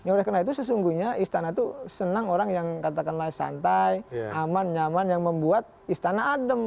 oleh karena itu sesungguhnya istana itu senang orang yang katakanlah santai aman nyaman yang membuat istana adem